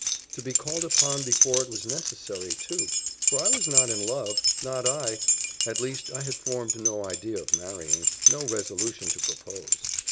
To be called upon before it was necessary too for I was not in love, not I at least I had formed no idea of marrying, no resolution to propose.